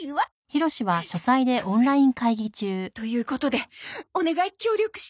はいですね。ということでお願い協力して！